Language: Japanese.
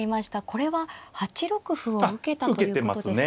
これは８六歩を受けたということですか。